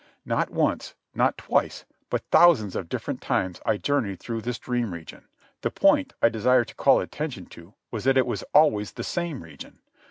Not once, nor twice, but thousands of different times I journeyed through this dream region. The point I desire to call attention to was that it was always the same region.